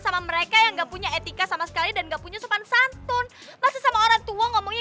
sama mereka yang nggak punya etika sama sekali dan enggak punya sopan santun pasti sama orang tua ngomongnya